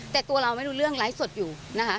แต่ตัวเราไม่รู้เรื่องไลฟ์สดอยู่นะคะ